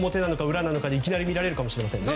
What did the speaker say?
裏なのかでいきなり見られるかもしれませんね。